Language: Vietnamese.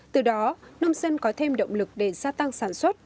từ đó nông dân có thêm động lực để gia tăng sản xuất